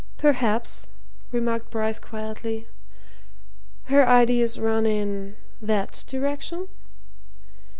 "Perhaps," remarked Bryce quietly, "her ideas run in that direction?